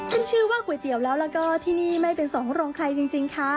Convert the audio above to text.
ชื่อว่าก๋วยเตี๋ยวแล้วแล้วก็ที่นี่ไม่เป็นสองโรงใครจริงค่ะ